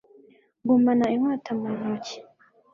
Gumana inkota mu ntoki